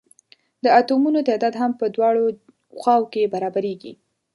د اتومونو تعداد هم په دواړو خواؤ کې برابریږي.